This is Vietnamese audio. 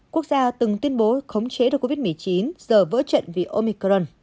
quốc gia từng tuyên bố khống chế được covid một mươi chín giờ vỡ trận vì omicron